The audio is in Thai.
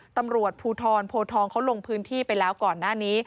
ตำรวจภูทรโพทองเขาลงพื้นที่ไปแล้วก่อนหน้านี้